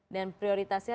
dan ini kita lihat